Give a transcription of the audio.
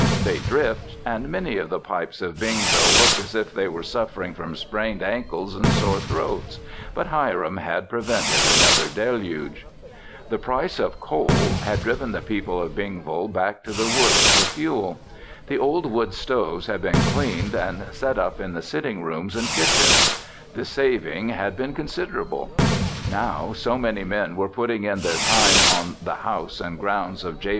They dripped and many of the pipes of Bingville looked as if they were suffering from sprained ankles and sore throats, but Hiram had prevented another deluge. The price of coal had driven the people of Bingville back to the woods for fuel. The old wood stoves had been cleaned and set up in the sitting rooms and kitchens. The saving had been considerable. Now, so many men were putting in their time on the house and grounds of J.